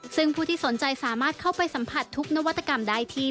ซึ่งผู้ที่สนใจสามารถเข้าไปสัมผัสทุกนวัตกรรมได้ที่